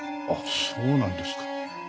そうなんですか。